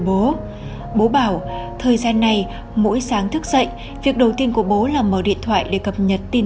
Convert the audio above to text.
bố bố bảo thời gian này mỗi sáng thức dậy việc đầu tiên của bố là mở điện thoại để cập nhật tin